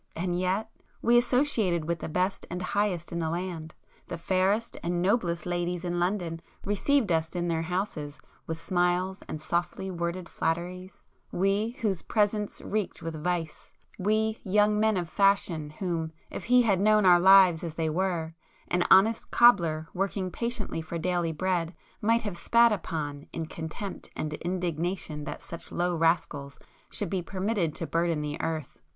—and yet,—we associated with the best and the highest in the land;—the fairest and noblest ladies in London received us in their houses with smiles and softly worded flatteries—we—whose presence reeked with vice; we, 'young men of fashion' whom, if he had known our lives as they were, an honest cobbler working patiently for daily bread, might have spat upon, in contempt and indignation that such low rascals should be permitted to burden the earth!